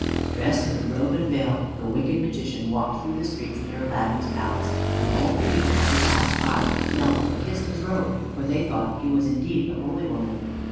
Dressed in the robe and veil, the wicked Magician walked through the streets near Aladdin's palace, and all the people as he passed by knelt and kissed his robe, for they thought he was indeed the holy woman.